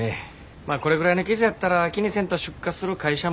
まあこれぐらいの傷やったら気にせんと出荷する会社も多いけどね